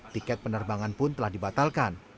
tiket penerbangan pun telah dibatalkan